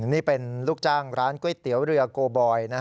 นี่เป็นลูกจ้างร้านก๋วยเตี๋ยวเรือโกบอย